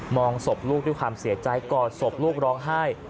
ศพลูกด้วยความเสียใจกอดศพลูกร้องไห้